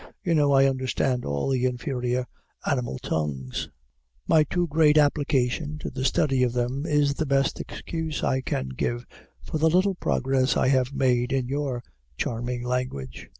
You know I understand all the inferior animal tongues. My too great application to the study of them is the best excuse I can give for the little progress I have made in your charming language.